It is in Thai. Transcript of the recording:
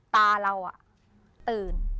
ตาเราตื่น